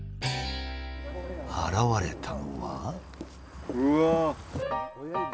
現れたのは。